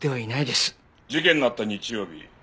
事件のあった日曜日